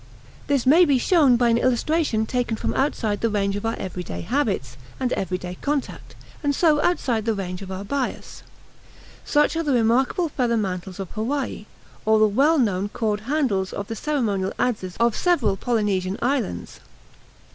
This may be shown by an illustration taken from outside the range of our everyday habits and everyday contact, and so outside the range of our bias. Such are the remarkable feather mantles of Hawaii, or the well known cawed handles of the ceremonial adzes of several Polynesian islands.